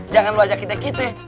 jangan lo ajak kita kita